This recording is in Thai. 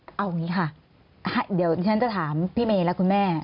เอาอย่างนี้ค่ะเดี๋ยวฉันจะถามพี่เมย์และคุณแม่